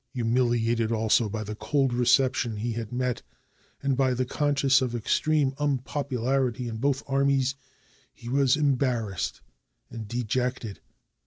Humiliated also by the cold reception he had met and by the con sciousness of extreme unpopularity in both armies, he was embarrassed and dejected.